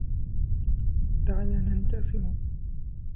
دعنا ننقسم.